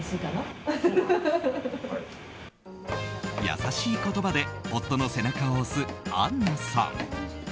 優しい言葉で夫の背中を押すアンナさん。